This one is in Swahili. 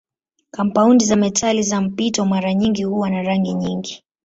Kampaundi za metali za mpito mara nyingi huwa na rangi nyingi.